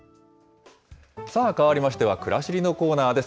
さあ、変わりましては、くらしりのコーナーです。